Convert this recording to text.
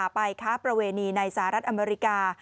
ค้าประเวณีในสหรัฐอเมริกา